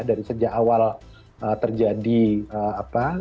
dari sejak awal terjadi apa